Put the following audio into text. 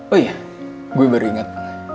oh iya gue baru ingat